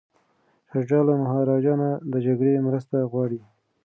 شاه شجاع له مهاراجا نه د جګړې مرسته غواړي.